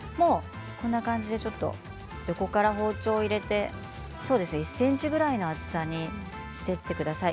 こんな感じで横から包丁を入れて１ｃｍぐらいの厚さにしていってください。